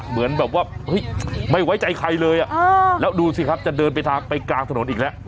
เหมือนแบบว่าเฮ้ยไม่ไว้ใจใครเลยแล้วดูสิครับจะเดินไปทางไปกลางถนนอีกแล้ว